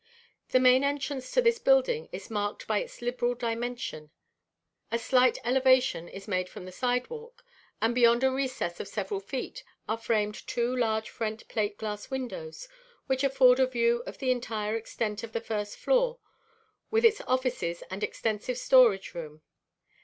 The main entrance to this building is marked by its liberal dimension. A slight elevation is made from the sidewalk, and beyond a recess of several feet are framed two large French plate glass windows, which afford a view of the entire extent of the first floor with its offices and extensive storage room.